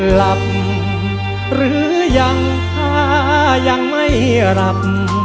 หลับหรือยังถ้ายังไม่หลับ